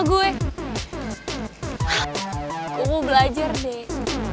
gue mau belajar deh